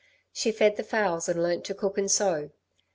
She fed the fowls and learnt to cook and sew.